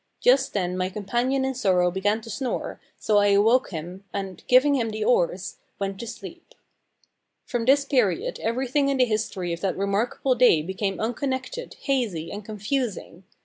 Just then my companion in sorrow began to snore, so I awoke him, and giving him the oars went to sleep. From this period everything in the history of that remarkable day became unconnected, hazy, and confusing.